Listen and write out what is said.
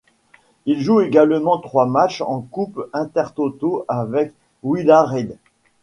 Il joue également trois matchs en Coupe Intertoto avec Villarreal.